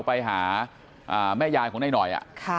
ไปหาแม่ยายของนายหน่อย